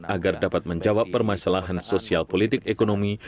agar dapat menjawab permasalahan sosial politik ekonomi